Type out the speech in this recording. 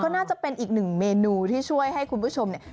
น่าจะเป็นอีกหนึ่งเมนูที่ช่วยให้คุณผู้ชมเนี่ย